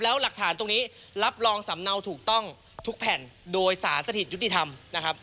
แล้วหลักฐานตรงนี้รับรองสำเนาถูกต้องทุกแผ่นโดยสารสถิตยุติธรรมนะครับ